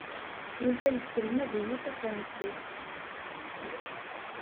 Yuba yesselmad-iyi tafṛansit.